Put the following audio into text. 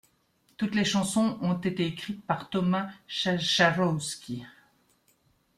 Toutes les chansons ont été écrites par Thomas Czacharowski.